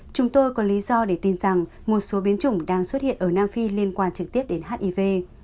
chúng tôi có lý do để tin rằng một số biến chủng đang xuất hiện ở nam phi liên quan trực tiếp đến hiv